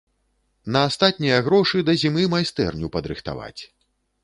На астатнія грошы да зімы майстэрню падрыхтаваць.